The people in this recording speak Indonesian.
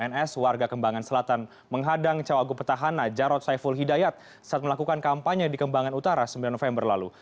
ns warga kembangan selatan menghadang cawagup petahana jarod saiful hidayat saat melakukan kampanye di kembangan utara sembilan november lalu